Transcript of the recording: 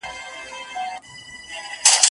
چي له مور څخه یکړ وو زېږېدلی